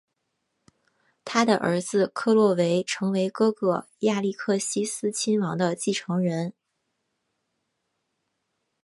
他的儿子克洛维成为哥哥亚历克西斯亲王的继承人。